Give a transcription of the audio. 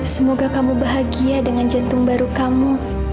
semoga kamu bahagia dengan jantung baru kamu